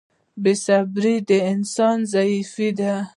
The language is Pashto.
• بې صبري د انسان ضعف دی.